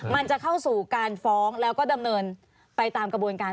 มันจะเข้าสู่การฟ้องแล้วก็ดำเนินไปตามกระบวนการ